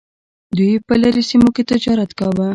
دوی په لرې سیمو کې تجارت کاوه